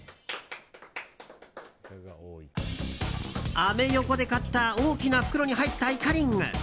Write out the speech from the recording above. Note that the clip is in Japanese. アメ横で買った大きな袋に入ったイカリング。